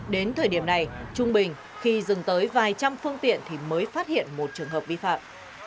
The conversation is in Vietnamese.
đến thời điểm này trung bình khi dừng tới vài trăm phương tiện thì mới phát hiện một trường hợp vi phạm